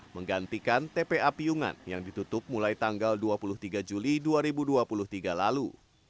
menggantikan tpa piyungan yang ditutup mulai tanggal dua puluh tiga juli dua ribu dua puluh tiga lalu